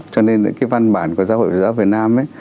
cho nên cái văn bản của giáo hội giáo việt nam